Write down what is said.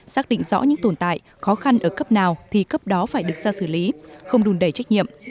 xác định rõ những tồn tại khó khăn ở cấp nào thì cấp đó phải được ra xử lý không đùn đẩy trách nhiệm